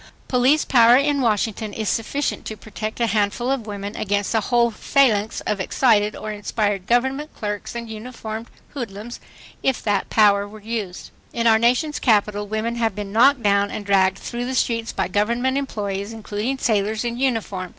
Police power in Washington is sufficient to protect a handful of women against a whole phalanx of excited or inspired government clerks and uniformed hoodlums, if that power were used. ... In our nation's capital, women have been knocked down and dragged through the streets by government employees—including sailors in uniform.